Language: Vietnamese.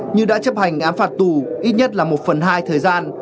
như đã chấp hành án phạt tù ít nhất là một phần hai thời gian